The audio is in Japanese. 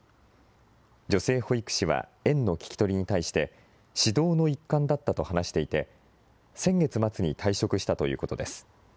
女性保育士は園の聞き取りに対して、指導の一環だったと話していて、先月末に退職したということです。